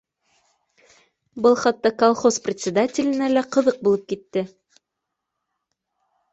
Был хатта колхоз председателенә лә ҡыҙыҡ булып китте